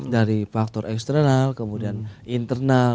dari faktor eksternal kemudian internal